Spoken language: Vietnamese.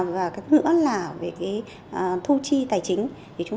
và thứ nữa là về thu chi tài chính